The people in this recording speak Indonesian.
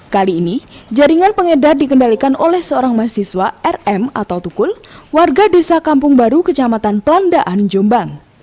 kali ini jaringan pengedar dikendalikan oleh seorang mahasiswa rm atau tukun warga desa kampung baru kecamatan pelandaan jombang